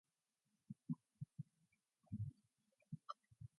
There were two editions.